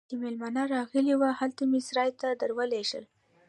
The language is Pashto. چې مېلمانه راغلي وو، هلته مې سرای ته درولږل.